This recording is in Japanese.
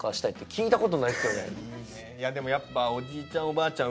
でもやっぱおじいちゃんおばあちゃん